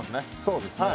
そうですね